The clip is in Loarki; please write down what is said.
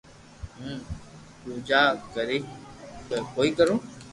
ھون پوجا ڪوئيي ڪرو